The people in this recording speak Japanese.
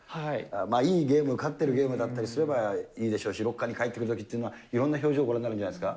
いいゲーム、勝ってるゲームだったりすれば、いいでしょうし、ロッカーに帰ってくるときっていうのは、いろんな表情をご覧になるんじゃないですか。